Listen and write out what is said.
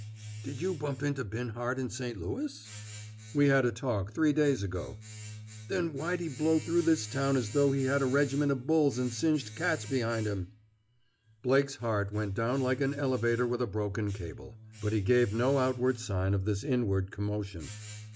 "Did you bump into Binhart in St. Louis?" "We had a talk, three days ago." "Then why'd he blow through this town as though he had a regiment o' bulls and singed cats behind him!" Blake's heart went down like an elevator with a broken cable. But he gave no outward sign of this inward commotion.